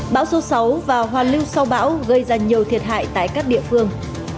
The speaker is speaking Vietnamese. bão số sáu và hoàn lưu sau bão gây ra nhiều thiệt hại tại các địa phương